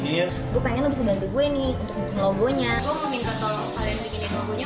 gue pengen lo bisa bantu gue nih bikin logo nya